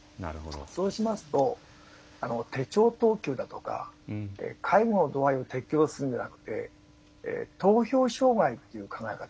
そうしますと手帳等級だとか介護の度合いを適用するんじゃなくて投票障害という考え方。